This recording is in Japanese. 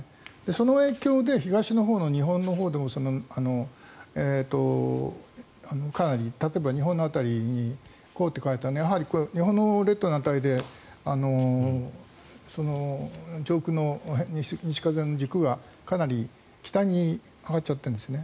その影響で東のほうの日本のほうでも例えば、日本の辺りに「高」って書いてあるのはやはり日本の列島の辺りで上空の西風の軸がかなり北に上がっちゃってるんですね。